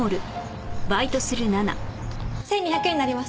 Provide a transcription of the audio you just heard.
１２００円になります。